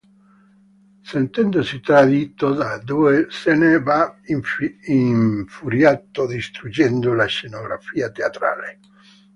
Sentendosi tradito dai due se ne va infuriato distruggendo la scenografia teatrale.